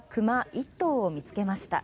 １頭を見つけました。